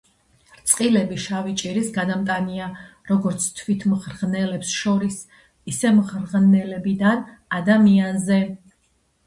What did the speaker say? რწყილები შავი ჭირის გადამტანია როგორც თვით მღრღნელებს შორის, ისე მღრღნელებიდან ადამიანზე.